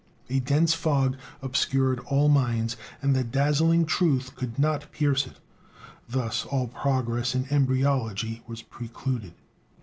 A dense fog obscured all minds, and the dazzling truth could not pierce it; thus all progress in embryology was precluded.